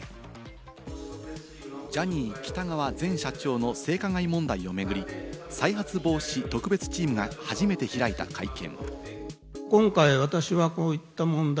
ジャニー喜多川前社長の性加害問題を巡り、再発防止特別チームが初めて開いた会見。